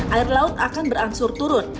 air laut akan berangsur turun